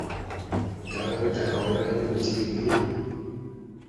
Olutalo lw’ettaka walulabye ku ttivvi?